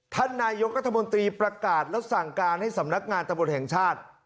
ท่านนายกรัฐมนตรีประกาศแล้วสั่งการให้สำนักงานตำรวจแห่งชาติ